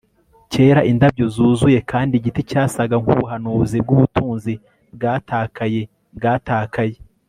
kera indabyo zuzuye kandi igiti cyasaga nkubuhanuzi bwubutunzi bwatakaye, bwatakaye